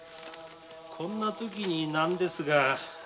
こんな時になんですが。